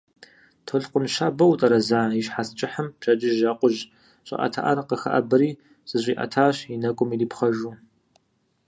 Толъкъун щабэу утӀэрэза и щхьэц кӀыхьым пщэдджыжь акъужь щӀыӀэтыӀэр къыхэӀэбэри зэщӀиӀэтащ, и нэкӀум ирипхъэжу.